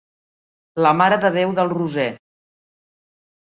La Mare de Déu del Roser.